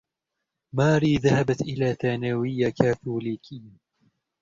ماري ذهبت إلى ثانوية كاثوليكية.